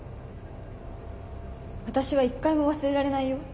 私は一回も忘れられないよ